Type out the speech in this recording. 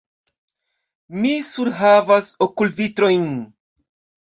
Mi surhavas okulvitrojn.